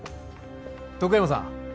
徳山さん。